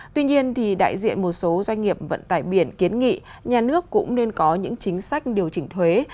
tuy nhiên đại diện một số doanh nghiệp vận tải biển kiến nghị nhà nước cũng nên có những chính sách điều chỉnh thuế